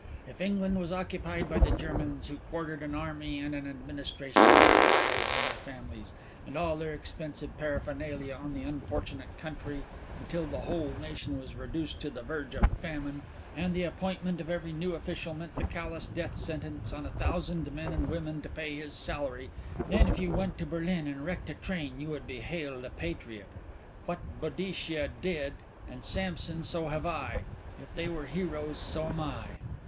If England was occupied by the Germans who quartered an army and an administration with their wives and their families and all their expensive paraphernalia on the unfortunate country until the whole nation was reduced to the verge of famine, and the appointment of every new official meant the callous death sentence on a thousand men and women to pay his salary, then if you went to Berlin and wrecked a train you would be hailed a patriot. What Boadicea did and and Samson, so have I. If they were heroes, so am I."